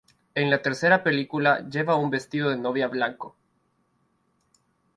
En la tercera película, lleva un vestido de novia blanco.